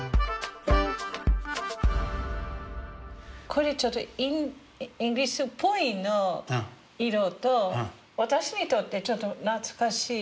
これちょっとイギリスっぽいの色と私にとってちょっと懐かしい。